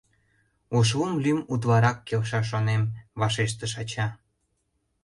Ошлум лӱм утларак келша, шонем, — вашештыш ача.